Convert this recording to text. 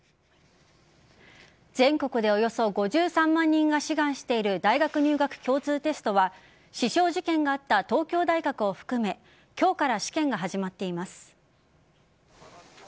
全国でおよそ５３万人が志願している大学入学共通テストは刺傷事件があった東京大学を含め今日から試験が始まっています。